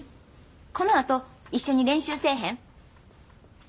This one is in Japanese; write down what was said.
このあと一緒に練習せえへん？